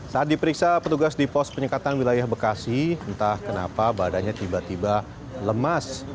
saat diperiksa petugas di pos penyekatan wilayah bekasi entah kenapa badannya tiba tiba lemas